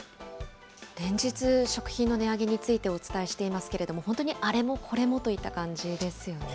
連日、食品の値上げについてお伝えしていますけれども、本当にあれもこれもという感じですよね。